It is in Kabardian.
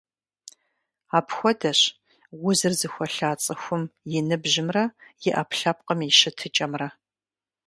Апхуэдэщ узыр зыхуэлъа цӀыхум и ныбжьымрэ и Ӏэпкълъэпкъым и щытыкӀэмрэ.